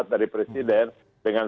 ini adalah keuntungan